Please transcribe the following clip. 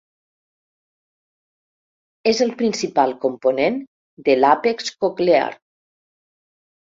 És el principal component de l'àpex coclear.